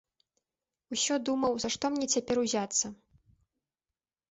Усё думаў, за што мне цяпер узяцца.